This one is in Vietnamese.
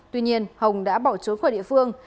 tuy nhiên hồng đã bỏ trốn khỏi địa phương